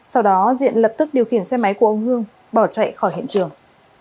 sau đó diện lập tức điều khiển xe máy của ông hương bỏ chạy khỏi hiện trường